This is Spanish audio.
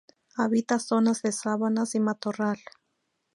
Habita zonas de sabanas y matorral.